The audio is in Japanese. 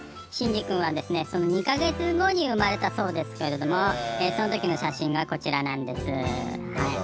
しんじ君はですねその２か月後に生まれたそうですけれどもそのときの写真がこちらなんです。